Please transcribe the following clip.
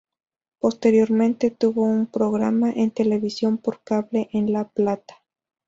Posteriormente tuvo un programa en televisión por cable en La Plata.